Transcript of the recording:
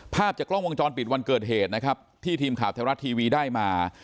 ภาพจากกล้องวงจรปิดวันเกิดเหตุนะครับที่ทีมข่าวไทยรัฐทีวีได้มา